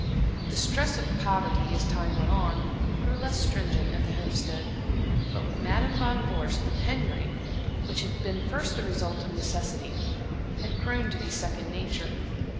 The stress of poverty, as time went on, grew less stringent at the Homestead; but with Madam Van Vorst the penury which had been first the result of necessity, had grown to be second nature.